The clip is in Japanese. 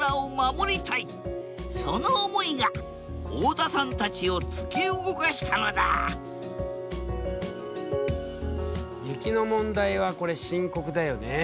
その思いが太田さんたちを突き動かしたのだ雪の問題はこれ深刻だよね。